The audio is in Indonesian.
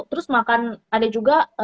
terus makan ada juga